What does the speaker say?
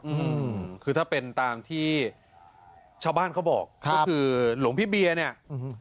อืมคือถ้าเป็นตามที่ชาวบ้านเขาบอกค่ะก็คือหลวงพี่เบียร์เนี้ยอืม